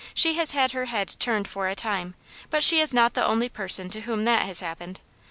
" She has had her head turned for a time, but she is not the only person to whom that has happened.